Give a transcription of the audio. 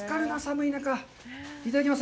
いただきます。